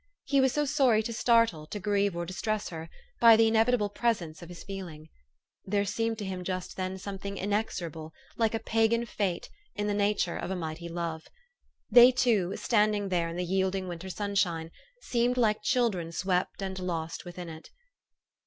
He was so sorry to startle, to grieve, or distress her, by the inevitable presence of his feeling. There seemed to him just then some thing inexorable, like a Pagan Fate, in the nature of a mighty love. They two, standing there in the yielding winter sunshine, seemed like children swept and lost within it.